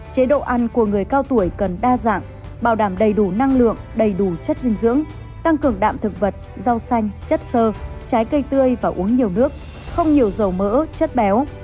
chế độ ăn của người cao tuổi cần đa dạng bảo đảm đầy đủ năng lượng đầy đủ chất dinh dưỡng tăng cường đạm thực vật rau xanh chất sơ trái cây tươi và uống nhiều nước không nhiều dầu mỡ chất béo